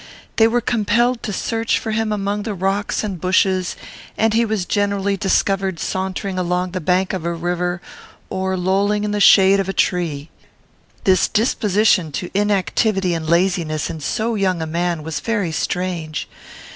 They were compelled to search for him among the rocks and bushes, and he was generally discovered sauntering along the bank of a river, or lolling in the shade of a tree. This disposition to inactivity and laziness, in so young a man, was very strange.